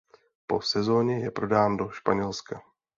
Po sezoně je prodán do Španělská.